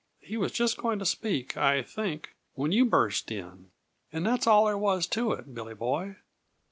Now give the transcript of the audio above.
He was just going to speak, I think, when you burst in. And that's all there was to it, Billy Boy.